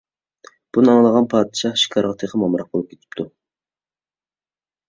بۇنى ئاڭلىغان پادىشاھ شىكارغا تېخىمۇ ئامراق بولۇپ كېتىپتۇ.